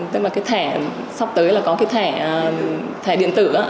tức là cái thẻ sắp tới là có cái thẻ điện tử đó